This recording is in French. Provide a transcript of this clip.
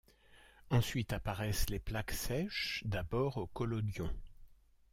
Ensuite apparaissent les plaques sèches, d'abord au collodion.